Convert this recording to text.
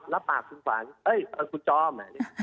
รับปากคุณฟังเอ้ยคุณจอม